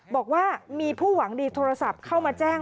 บอกว่ามีผู้หวังดีโทรศัพท์เข้ามาแจ้ง